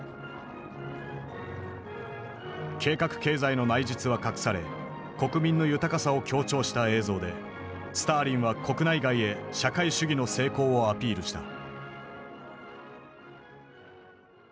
計画経済の内実は隠され国民の豊かさを強調した映像でスターリンは国内外へ社会主義の成功をアピールした。